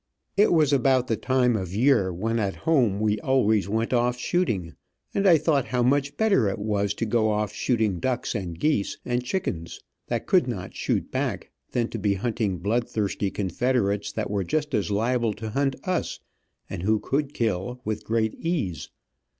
It was about the time of year when at home we always went off shooting, and I thought how much better it was to go off shooting ducks and geese, and chickens, that could not shoot back, than to be hunting bloodthirsty Confederates that were just as liable to hunt us, and who could kill, with great ease.